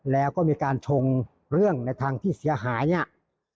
แล้วก็มีการชงเรื่องในทางที่เสียหายเนี่ย